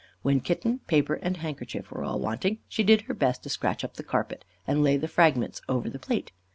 When kitten, paper, and handkerchief were all wanting, she did her best to scratch up the carpet and lay the fragments over the plate.